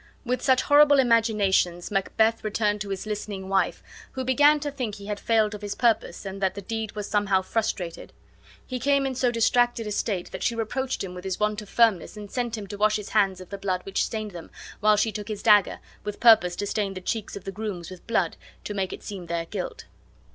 With such horrible imaginations Macbeth returned to his listening wife, who began to think he had failed of his purpose and that the deed was somehow frustrated. He came in so distracted a state that she reproached him with his want of firmness and sent him to wash his hands of the blood which stained them, while she took his dagger, with purpose to stain the cheeks of the grooms with blood, to make it seem their guilt.